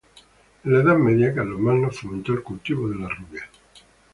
En la Edad Media, Carlomagno fomentó el cultivo de la rubia.